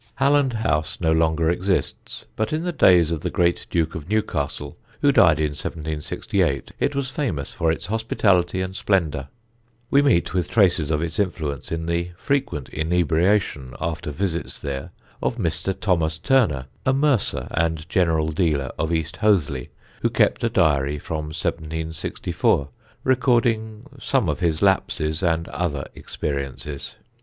Halland House no longer exists, but in the days of the great Duke of Newcastle, who died in 1768, it was famous for its hospitality and splendour. We meet with traces of its influence in the frequent inebriation, after visits there, of Mr. Thomas Turner, a mercer and general dealer of East Hoathly, who kept a diary from 1764, recording some of his lapses and other experiences.